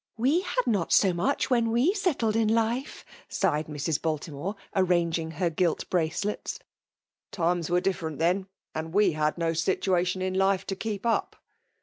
*^ We had not ao much, when we settled in life'' sighed Mrs. BaltimoBre, arranging her pki btacdets. " Times were different thea ;— and «» had no situatiQn in life to keep wp."